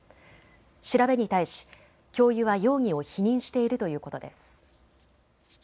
調べに対し教諭は容疑を否認しているということです。